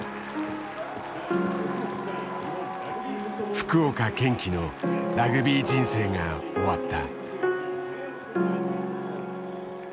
福岡堅樹のラグビー人生が終わった。